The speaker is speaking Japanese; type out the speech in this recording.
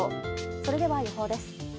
それでは、予報です。